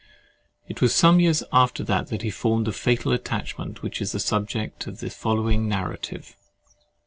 It was some years after that he formed the fatal attachment which is the subject of the following narrative.